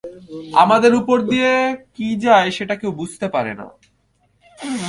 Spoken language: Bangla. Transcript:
আমাদের উপর দিয়ে কি যায় সেটা কেউ বুঝতে পারে না।